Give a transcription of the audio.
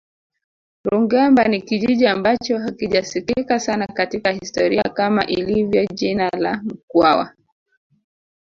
Rungemba ni kijiji ambacho hakijasikika sana katika historia kama lilivyo jina la mkwawa